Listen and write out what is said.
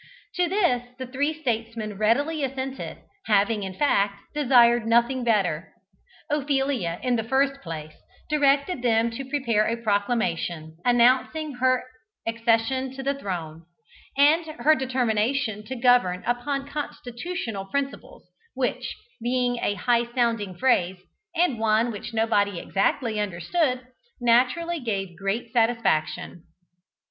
To this the three statesmen readily assented, having, in fact, desired nothing better. Ophelia in the first place directed them to prepare a proclamation, announcing her accession to the throne, and her determination to govern upon constitutional principles, which, being a high sounding phrase, and one which nobody exactly understood, naturally gave great satisfaction.